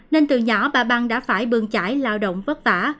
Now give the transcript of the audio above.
nên từ nhỏ bà băng đã phải bương trải lao động vất vả